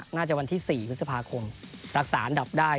น่าจะวันที่๔พฤษภาคมรักษาอันดับได้